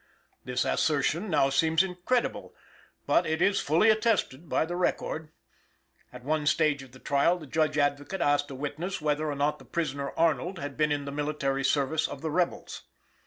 This assertion now seems incredible, but it is fully attested by the record. At one stage of the trial, the Judge Advocate asked a witness whether or not the prisoner Arnold had been in the military service of the rebels.